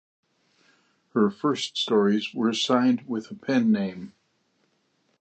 Her first stories were signed with a pen-name.